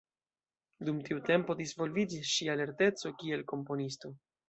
Dum tiu tempo disvolviĝis ŝia lerteco kiel komponisto.